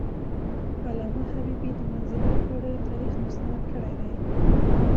علامه حبيبي د منځنیو پېړیو تاریخ مستند کړی دی.